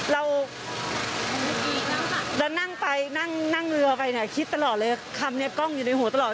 เรานั่งไปนั่งเรือไปเนี่ยคิดตลอดเลยคำนี้กล้องอยู่ในหัวตลอด